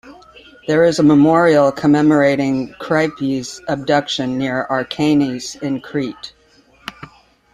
There is a memorial commemorating Kreipe's abduction near Archanes in Crete.